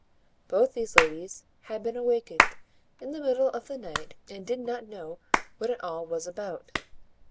Both these ladies had been awakened in the middle of the night and did not know what it all was about.